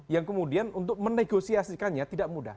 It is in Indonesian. yang kemudian untuk menegosiasikannya tidak mudah